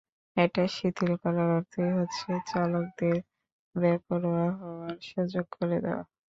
এটা শিথিল করার অর্থই হচ্ছে চালকদের বেপরোয়া হওয়ার সুযোগ করে দেওয়া।